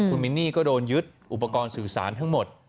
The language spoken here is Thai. คุณมินนี่ก็โดนยึดอุปกรณ์สื่อสารทั้งหมด